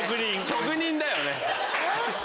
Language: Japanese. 職人だよね。